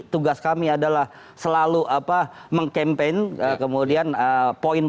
tugas kami adalah selalu mengkampen kemudian poin poin